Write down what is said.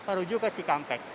menuju ke cikampek